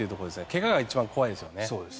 怪我が一番怖いですよね。